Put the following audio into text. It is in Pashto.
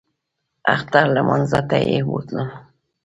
اختر لمانځه ته یې بوتلم.